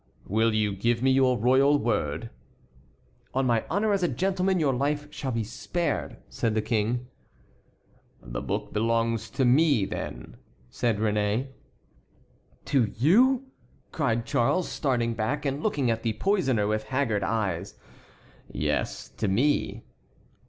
"Will you give me your royal word?" "On my honor as a gentleman your life shall be spared," said the King. "The book belongs to me, then," said Réné. "To you!" cried Charles, starting back and looking at the poisoner with haggard eyes. "Yes, to me."